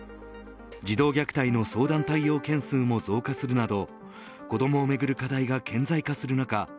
児童虐待の相談対応件数も増加するなど子どもをめぐる課題が顕在化する中